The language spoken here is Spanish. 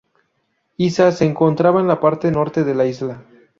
Isa se encontraba en la parte norte de la isla.